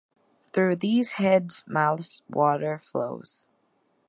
Through these heads’ mouths water flows.